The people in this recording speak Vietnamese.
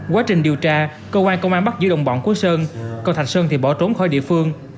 quá trình điều tra cơ quan công an bắt giữ đồng bọn của sơn còn thạch sơn thì bỏ trốn khỏi địa phương